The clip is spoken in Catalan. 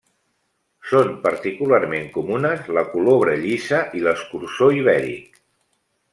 Són particularment comunes la colobra llisa i l'escurçó ibèric.